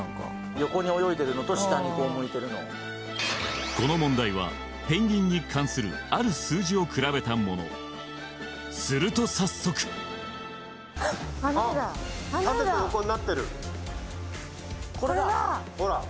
横に泳いでるのと下に向いてるのこの問題はペンギンに関するある数字を比べたものすると早速縦と横になってるこれだほら